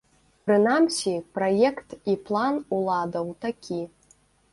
Прынамсі, праект і план уладаў такі.